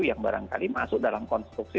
yang barangkali masuk dalam konstruksi